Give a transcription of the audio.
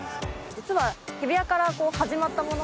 実は日比谷から始まったもの。